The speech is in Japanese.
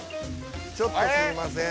ちょっとすみません。